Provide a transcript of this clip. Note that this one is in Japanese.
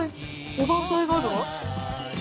おばんざいがあるわ。